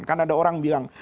karena ada orang bilang